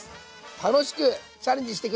楽しくチャレンジして下さいね。